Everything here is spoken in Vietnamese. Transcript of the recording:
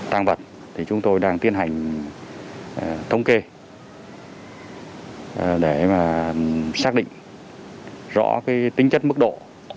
tăng vật thì chúng tôi đang tiến hành thống kê để xác định rõ tính chất mức độ